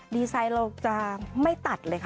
ดีไซน์เราจะไม่ตัดเลยค่ะ